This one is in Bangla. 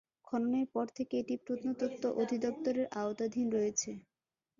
খননের পর থেকে এটি প্রত্নতত্ত্ব অধিদপ্তরের আওতাধীন রয়েছে।